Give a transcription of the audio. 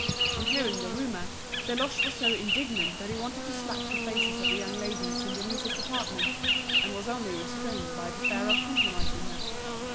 On hearing the rumour, Deloche was so indignant that he wanted to slap the faces of the young ladies in Denise's department; and was only restrained by the fear of compromising her.